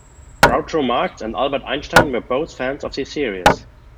Groucho Marx and Albert Einstein were both fans of the series.